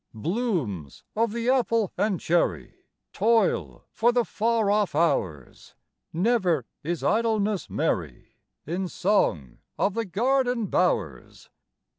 Blooms of the apple and cherry Toil for the far off hours; Never is idleness merry, In song of the garden bowers.